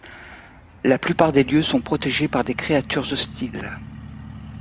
La plupart des lieux sont protégés par des créatures hostiles.